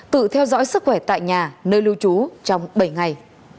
tự theo dõi sức khỏe tại nhà nơi lưu trú trong bảy ngày